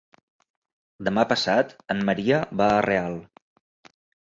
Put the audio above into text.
Demà passat en Maria va a Real.